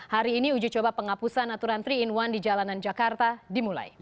hari ini uji coba penghapusan aturan tiga in satu di jalanan jakarta dimulai